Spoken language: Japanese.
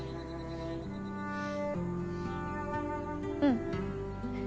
うん